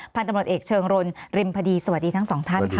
พันธุ์ตำรวจเอกเชิงรนริมพดีสวัสดีทั้งสองท่านค่ะ